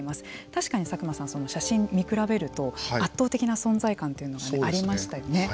確かに佐久間さん写真を見比べると圧倒的な存在感というのがありましたよね。